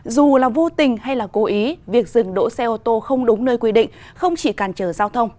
dù là vô tình hay là cố ý việc dừng đỗ xe ô tô không đúng nơi quy định không chỉ càn trở giao thông